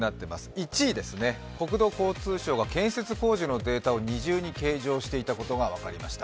１位ですね、国土交通省が建設工事のデータを二重に計上していたことが分かりました。